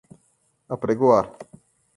apregoar